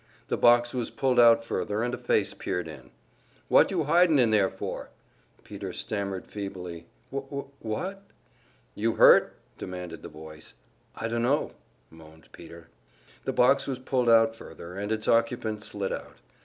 The box was pulled out further, and a face peered in. "What you hidin' in there for?" Peter stammered feebly: "Wh wh what?" "You hurt?" demanded the voice. "I dunno," moaned Peter. The box was pulled out further, and its occupant slid out.